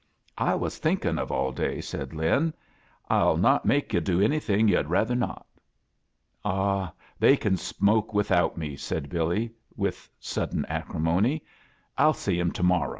"I was thinkin' of aU day," said Lin. "1*11 not make yo* do anything yu'd rather not." "Ah, they can smoke without me," said Billy, with sodden acrimony. "Fll see 'em to morro'."